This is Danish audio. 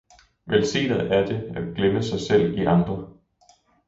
velsignet er det at glemme sig selv i andre!